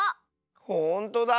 ほんとだ。